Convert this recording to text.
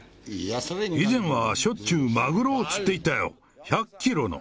以前はしょっちゅうマグロを釣っていたよ、１００キロの。